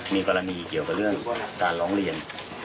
มีกรณีเกี่ยวกับเรื่องการร้องเรียน